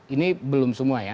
ini belum semua ya